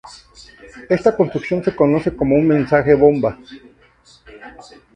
Esta construcción se conoce como un mensaje bomba.